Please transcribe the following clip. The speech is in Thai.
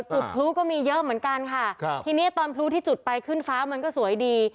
จุดพลุก็มีเยอะเหมือนกันค่ะครับทีนี้ตอนพลุที่จุดไปขึ้นฟ้ามันก็สวยดี